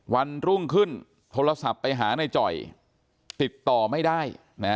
วันรุ่งขึ้นโทรศัพท์ไปหาในจ่อยติดต่อไม่ได้